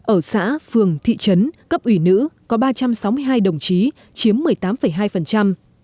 ở xã phường thị trấn cấp ủy nữ có ba trăm sáu mươi hai đồng chí chiếm một mươi tám hai